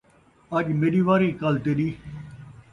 اَڄ میݙی واری کل تیݙی